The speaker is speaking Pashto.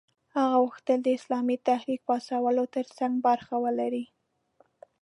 هغه غوښتل د اسلامي تحریک پاڅولو ترڅنګ برخه ولري.